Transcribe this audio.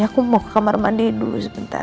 aku mau ke kamar mandi dulu sebentar